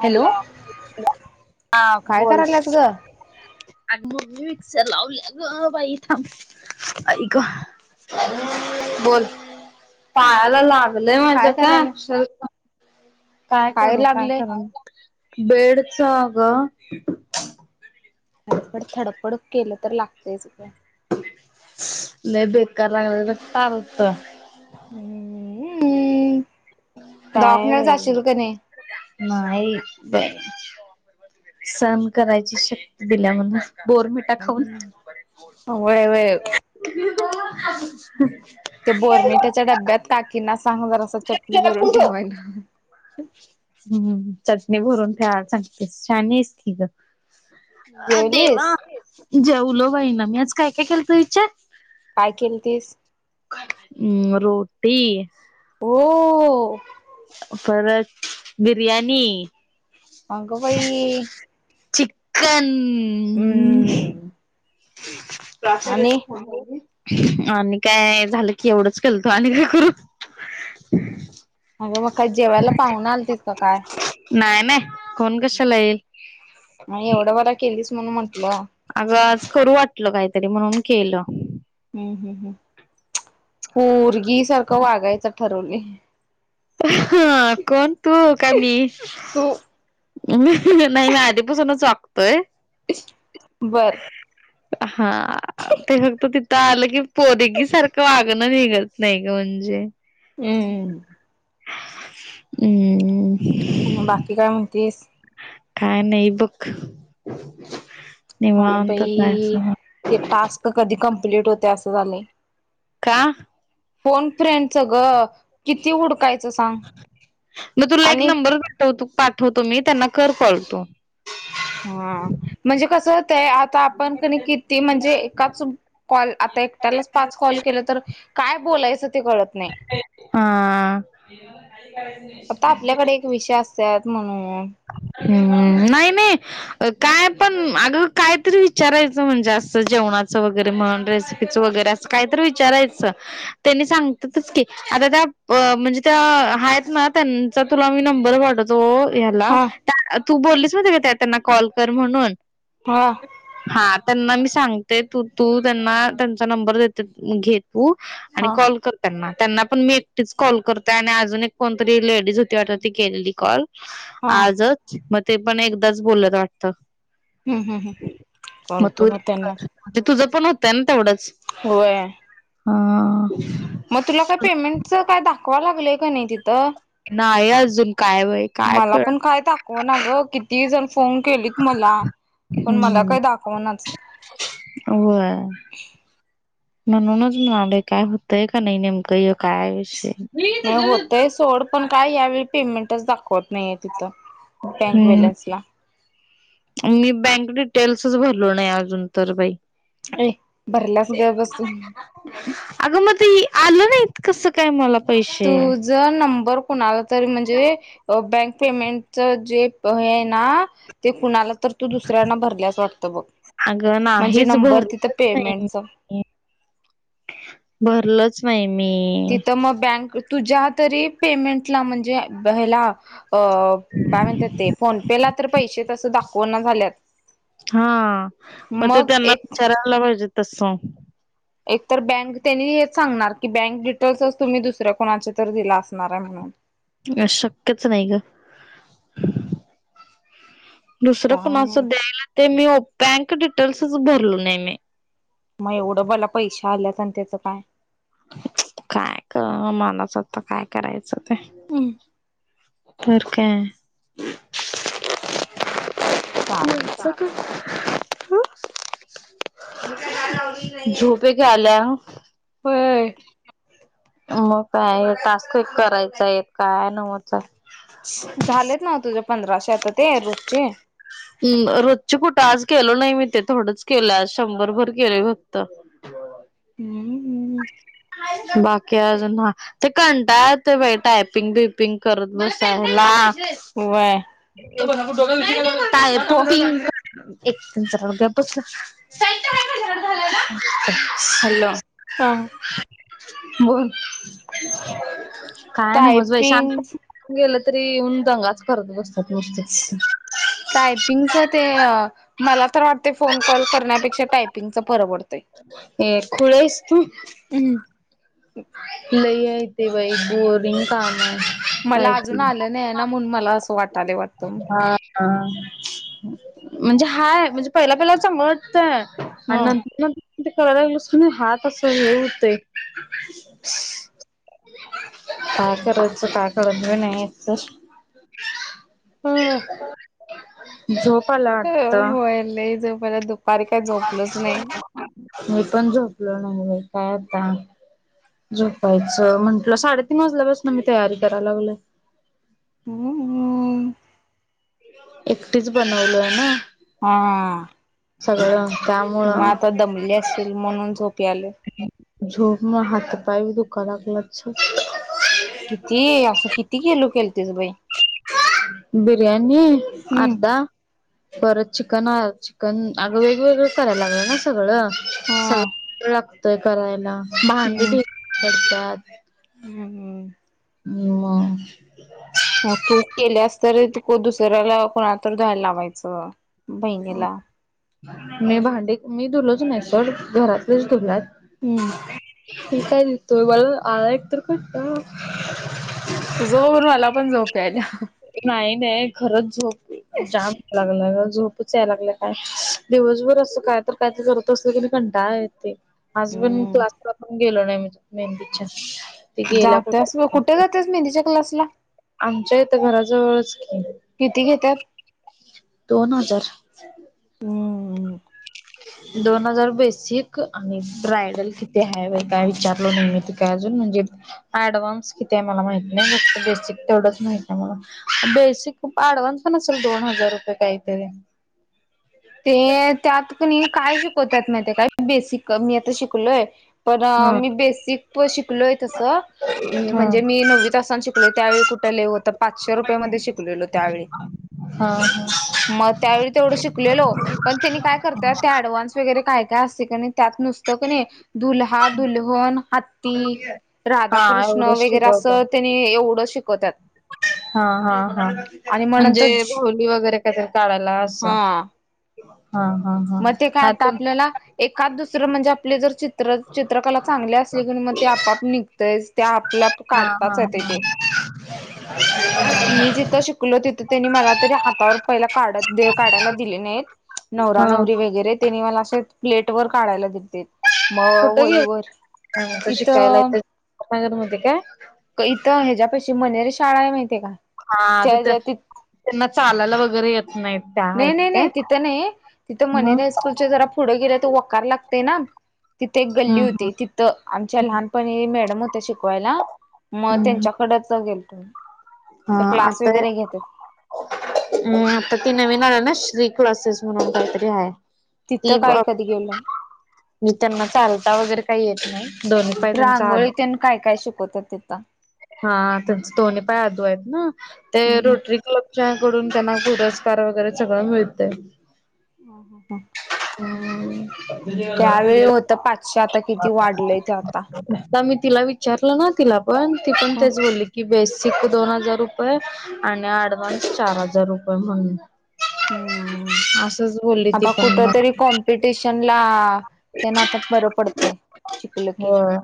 Hello हा काय बोल करायलास ग अग मी मिक्सर लावली ग बाई थांब आई ग बोल पायाला लागलंय माझ्या काय का करायलास अ काय करू काय कर बेडच अ ग धडपड थडपड केलं तर लागतयच का नाही बेकार लागला तर टलत हम्म काय दवाखान्याला बाई जाशील का नाही नाही सहन करायची शक्ती दिल्या मला बोरमीठा खाऊन होय होय ते बोरमेट्याच्या डब्यात काकींना सांग जरा अस चटणी भरून ठेवायला. हम्म चटणी भरून ठेवायला सांगतेस शहाणी आहे की ग, अ देवा जेवलीस? जेवलो बाईना मी आज काय काय केलतो विचार काय केलतीस हम् रोटी हो. परत बिर्याणी, अग बाई, चिकन, हम्म आणि प्राचार्याच फोन आणि काय झालं की एवढंच केलतो आणि काय करू अगं मग काय जेवायला पाहुणे आलं तित का काय नाही नाही कोण कशाला येईल आणि एवढं मला केली. अग करू वाटलं काहीतरी म्हणून केलं. हम्म हम् हम् पोरगी सारखं वागायच ठरवले. हा कोण तू का मी तू मी नाही मी आधीपासूनच वागतो. बर. हा ते फक्त तिथं आलं की पोरगी सारखं वागत. निघत नाही का म्हणजे हम्म. हम्म. आणि बाकी काय म्हणतीस काय नाही बघ. हा बाई निवांतच आहेस मग ते टास्क कधी कंप्लीट होते असं झालं. का फोन फ्रेंच ग [inaudible] हुडकायचं सांग मग तुला एक आणि नंबर पाठवतो हो तो, पाठवतो मी त्यांना कर कॉल तु हा म्हणजे कस होतय आता आपण क किती म्हणजे एकाच कॉल एकट्याच पाच कॉल केलं तर काय बोलायचे. ते कळत नाही हा. आता आपल्याकडे एक विषय अस त्यात म्हणून ह् नाही नाही काय पण अग कायतरी विचारायचं म्हणजे असं जेवणा काहीतरी विचारायचं जेवणाचं वगैरे रेसिपी असं काहीतरी विचारायचं त्यांनी सांगतातच म्हणजे त्या आहेत ना त्यां तुला नंबर पाठवतो. हा तू बोललीस त्यांना कॉल कर म्हणून हा ह त्यां मी साग सांगते तू तू त्यांना त्यांचा नंबर देत घे तू आणि हा कॉल कर त्यांना त्यांना पण मी एकटीच कॉल करते आणि अजून एक कोणतरी लेडीज होती वाटतती केलेली कॉल हा आजच मग ते पण एकदाच बोलत वाटते. हम्म हम्म हम करतो तू मग त्यांना कर ते तुझं पण होतंय तेवढंच. होय. हा मग तुला काय पेमेंटच काय दाखवा लागलंय का नाही तिथं नाही आहे अजून काय वय काय मला कळ पण काय दाखव ना ग किती जण फोन केलीत मला पण मला काही दाखवणाच. व म्हणूनच म्हणाले काय होतंय का नाही नेमकं काय विषय नाही होते य सोड पण काय यावेळी पेमेंट दाखवत नाहीये तिथ बँक हम्म बॅलन्स ला. मी बँक डिटेल्सच भरलो नाही अजून तर बाई. ए भरलास ग बस तू अग मग ती. आलं नाहीत कसं काय मला. पैसे तुझ नंबर कोणाला तरी म्हणजे बँक पेमेंटच जे. प ना ते कुणाला तर तू दुसऱ्यांना भरल्यास वाटतं बघ. म्हणजे भ नंबर तिथं पेमेंटच भ. तिथं मग बँक तुझ्या तरी पेमेंटला म्हणजे ह्याला. अ काय म्हणतात ते फोनपेला तर पैसे तस दाखवना झाल्यात. हा मग ते त्यांना विचारायला पाहिजे तसं. एक तर बँक त्यांनी हेच सांगणार की बँक डिटेल्सच तुम्ही दुसऱ्या कोणाचे तर दिला असणार आहे म्हणून. अ शक्यच नाही ग. दुसरं काय माहित कणाचं द्यायला ते मी बँक डिटेल्सच भरलो नाही मी. मग एवढं बला पैसे आल्यात आणि त्याचं काय. काय क मनास आता काय करायचं ते. हम्म कर काय. चालायचं म. ह झोपे का आला. वर. मग काय टस्क करायचा आहेत काय नवच. झालेत नाव तुझ्या पंधराशे आता ते रूसचे. म रोजचे कुठं आज केल नाही मी ते थोडंच केलं आज शंभरभर केलं फक्त. हम् हम्म. बाकी अजून ह ते कंटाय ते बाई टायपिंग बिपिंग करत बसायला. व्हय ो हो [unintelligible] एकदचा रड. हॅलो. हा बोल काय ना मजई शांत टायपिंग गेलं. तरी उऊन दगाच करत बसतात नस्त. टायपिंगच ते मला तर वाटतय फोन कॉल करण्यापेक्षा टायपिंगच परवडतंय. हे खुळ आहेस तू. हम्. ल आहेथे बाई बोरिंग काम आहे. मला काय अजून आलं नाही ना म्हणून मला असं वाटाले वाटतं. हा. म्हणजे हाय म्हणजे पहिला पहिल्याच मत आहे आणि हा. नंतर न. ते करायला बसून हात असं हे होतय. [inaudible] काय करायच का कत नाही. ह झोपाला वाटत. होय लय झोपायला दुपारी काय झोपलोच नाही. मी पण झोपल नाही काय आता. झोपायचं म्हंटलं साडेतीीन वाजल्यापासन मी तयारी कराय लागल. हो. एकटीच बनवल आहे ना. हा. सगळं मग त्यामुळं आता दमले असेल म्हणून झोपे आले. झोप हात पय ब तू कलाकलचछ. किती असं किती केेलो केल. बिर्याणी हम्म अर्धा. परत चिकन चिकन अगं वेगवेगळं करायला लागलं ना सगळं. हा सगळ लागतय करायला भांडी भि पडतात. हम् हम् म म तू केलेस तर त दुसऱ्याला कोणा तर जायला लावायचं बहिणीला मी भांडी मी धुलच नाही सर घरातलेच धुलात हम्म मी काय भितोय. मला आला एक तर खटका तुझ बघून मला पण झोप येत आहे. नाही नाही खरच झोप आली. जाम या लाग झोपच यायला लागलं ग काय दिवसभर असं काय तर काय तर करत असत की, डाळ येते आज पण हम्म क्लास ला पण गेलो नाही मेहंदीच्या.. ते गेल्या जातीस कुठं कुठे जातीस मेंहदीच्या क्लासला? आमच्या इथ घराजवळच की, किती घेत्यात? दोन हजार. हं दोन हजार बेसिक आणि ब्रायडल किती आहेत? ते काय विचारले नाही नेहमीच काय. म्हणजे... ॲडव्हान्स किती आहे मला माहीत नाही... बेसिक तेवढच माहिती आहे मला. प ॲडव्हान्स पण असेल, दोन हजार रुपये काहीतरी.. [inaudible] ते त्यात कोणी काय शिकवतात. माहिती काय बेसिक मी आता शिकलेय. पण हा मी बेसिक शिकलेय तसं, हा म्हणजे मी नववी असताना शिकलेय. त्यावेळी कुठे? लय होत पाचशे रुपये मध्ये शिकलेले त्यावेळी... हा हा मग त्यावेळी तेवढ शिकले हॅलो पण त्यांनी काय करतात त्यात ॲडव्हान्स वरी काय काय अस. आणि त्यात नुसत कणाय नाही दुल्हा -दुल्हन हत्ती, हा राधाकृष्ण एवढंच वगैरे असं शिकवतात त्यानी एवढं शिकवतात. हा हा हा आणि मग म्हणजे नंतर होली वगैरे काहीतरी काढायला असं.. हा हा हा हा मग ते काय आता आपल्याला एकाद, दुसरं म्हणजे आपले जर चित्र चित्रकला चांगल्या असली की मग ते, आपआप निघतय ते आपल्याप हा हा हा काढताच येते ते. [unintelligible] मी जिथं शिकले. तिथं त्यांनी मला तरी हातावर पहिला काढत काढायला दिले नाहीत. नवरा हा -नवरी वगैरे त्यांनी मला अशे प्लेट वर काढायला दिले. म कुठे गेल वहिवर.... इथं नगरमधील काय? काय माहीत? हा तिथ... त्यांना चालायला वगैरे येतं.. नाही नाही नाही तिथं नाही तिथं मनेर मग हायस्कूलच्या जरा पुढं गेल्या.. वकार लागतय ना..? तिथे एक गल्ली हम्म हम्म होती.. तिथं आमच्या लहानपणी मॅडम होत्या शिकवायला.. मग हम्म त्यांच्याकडेच गेलतो. हा ते क्लास आता.... वगैरे घेतात म आता ती नवीन आलीय ना शिक... श्री क्लासेस म्हणून काहीतरी आहे. तिथं ती... काय बघ.. कधी गेलोय मी त्यांना चालता वगैरे काही येत नाही. दोन्ही पाय त्यांचा आद रांगोळीत काय काय शिकवतेत तिथं? हा त्यांचे दोन्ही पाय आदू आहेत ना. ते हम्म रोटरी क्लब कडून त्यांना पुरस्कार वगैरे सगळं मिळत. हा हा हं [inaudible] पाचशे आता किती वाढलंय ते आता. [unintelligible] [inaudible] कमीत तिला विचारलं ना? तिला पण ती पण तेच बोलली की बेसिक बेसिक दोन हजार रुपये आणि अ‍ॅडव्हान्स चार हजार रुपये म्हणून हं असंच बोलली ती आता पण कुठं मग तरी कॉम्पिटिशनला तेन आता बरं पडतंय. शिकल की होय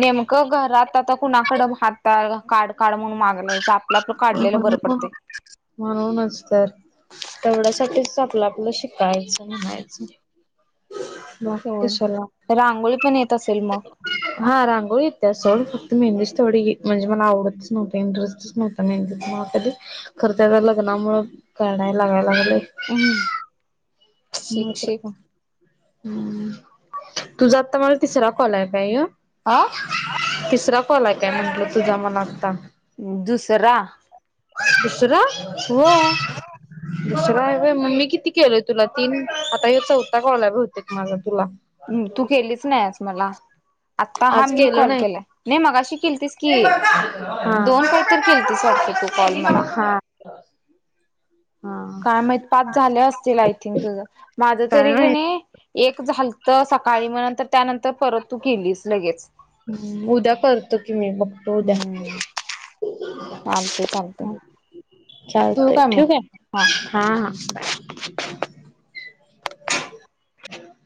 नेमकं घर आता कुणाकडं हात काड काड म्हणून माग लायच [unintelligible] म्हणूनच तर तेवढ्यासाठीच आपलं आपलं शिकायचं म्हणायचं मग कशाला तेवढ रांगोळी पण येत असेल मग हा रांगोळी येतीया सोड मेहंदीच तेवढी म्हणजे मला आवडतच नव्हंती इंटरेसच नव्हंता मेंदीत मला कधी खरं ते आता लग्ना मुळं काडाय लागाय लागलय [inaudible] शिक मत शिक का? तुझा आता मला तिसरा कॉलय काय ह्यो आा तिसरा कॉलय काय म्हंटलं तुझा मला आत्ता दुसरा दुसरा होय. दुसराय वय म मी किती केलोय तुला तीन आता ह्यो चौथा कॉलय बहुतेक तुला. म तू केलीच नाहीयेस मला आता हा आज मी केलं कॉल नाही. केलाय नाही मगाशी केलतीस की हा. दोन काहीतर केलतीस वाटत हा हा. काय माहित पाच झाले असतील आय थिंक तुझं माझ तरी काय माहित. किने नाही एक झाल त सकाळी म नंतर त्यानंतर परत तू केलीस लगेच उद्या करतो की मी बघतो उद्या हम्म चालतय चालतय ठेवू चालतय मग ठिऊ काय हा हा [inaudible]